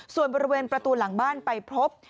ส่วนบริเวณประตูหลังบ้านไปพบ